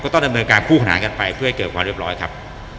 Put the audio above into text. ต้องดำเนินการคู่ขนานกันไปเพื่อให้เกิดความเรียบร้อยครับ